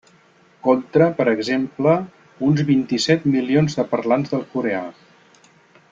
Contra, per exemple, uns vint-i-set milions de parlants del coreà.